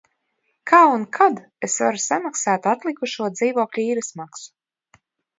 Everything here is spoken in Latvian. Kā un kad es varu samaksāt atlikušo dzīvokļa īres maksu?